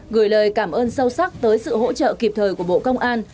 gửi lời cảm ơn sâu sắc tới sự hỗ trợ kịp thời của bộ công an